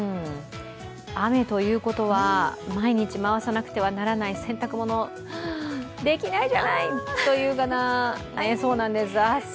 雨ということは毎日回さなくてはならない洗濯物できないじゃないという方、そうなんです。